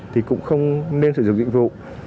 thì cũng không nên sử dụng dịch vụ